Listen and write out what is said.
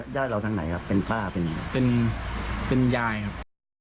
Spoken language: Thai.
ย่าเราทั้งไหนครับเป็นพ่าเป็นย่ายครับ